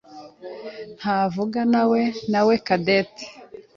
ntavuganawe nawe Cadette.